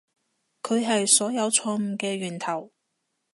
佢係所有錯誤嘅源頭